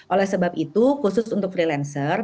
oleh sebab itu khusus untuk freelancer